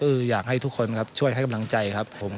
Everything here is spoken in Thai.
ก็อยากให้ทุกคนช่วยให้กำลังใจครับ